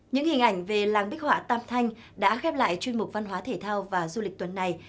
những hình ảnh về làng bích họa tam thanh đã khép lại chuyên mục văn hóa thể thao và du lịch tuần này